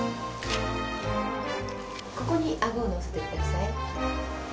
ここに顎を乗せてください。